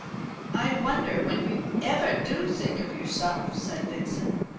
"I wonder when you ever do think of yourself," said Vixen.